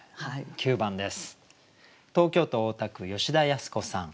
９番です。